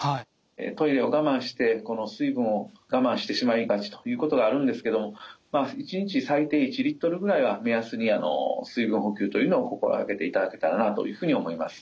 トイレを我慢してこの水分を我慢してしまいがちということがあるんですけど１日最低１リットルぐらいは目安に水分補給というのを心がけていただけたらなと思います。